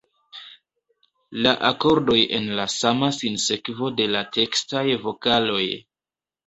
La akordoj en la sama sinsekvo de la tekstaj vokaloj.